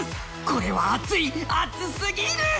これは熱い、熱すぎる！